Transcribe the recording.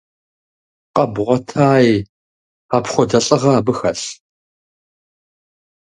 Къэбгъуэтаи, апхуэдэ лӀыгъэ абы хэлъ?